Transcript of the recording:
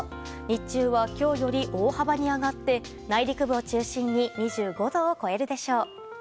日中は、今日より大幅に上がって内陸部を中心に２５度を超えるでしょう。